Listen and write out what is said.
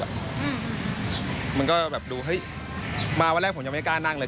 มันก็แบบดูเฮ้ยมาวันแรกผมยังไม่กล้านั่งเลย